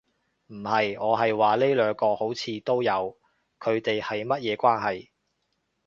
唔係。我係話呢兩個好像都有，佢地係乜嘢關係